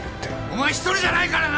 お前一人じゃないからな！